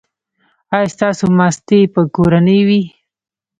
ایا ستاسو ماستې به کورنۍ وي؟